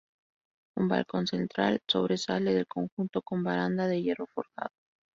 Un balcón central sobresale del conjunto, con baranda de hierro forjado.